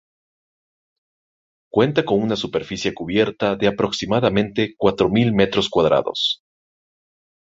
Cuenta con una superficie cubierta de aproximadamente cuatro mil metros cuadrados.